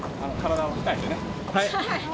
はい！